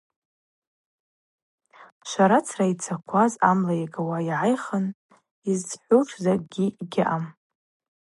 Шварацра йцакваз амла йагауа йгӏайхын – йызцхӏуш закӏгьи гьаъам.